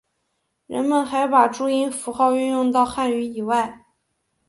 人们还把注音符号运用到汉语以外。